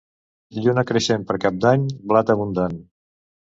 Lluna creixent per Cap d'Any, blat abundant.